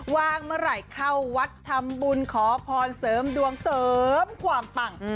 ว่างเมื่อไหร่เข้าวัดทำบุญขอพรเสริมดวงเสริมความปัง